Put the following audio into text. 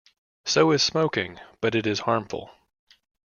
So is smoking, but it is harmful.